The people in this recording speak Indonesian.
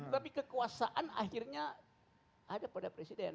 tapi kekuasaan akhirnya ada pada presiden